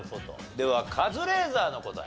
ではカズレーザーの答え。